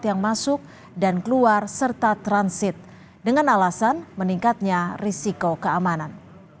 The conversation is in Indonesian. yang masuk dan keluar serta transit dengan alasan meningkatnya risiko keamanan